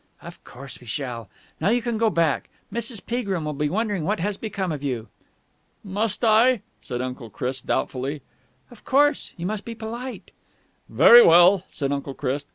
"Of course we shall. Now you can go back. Mrs. Peagrim will be wondering what has become of you." "Must I?" said Uncle Chris doubtfully. "Of course. You must be polite." "Very well," said Uncle Chris.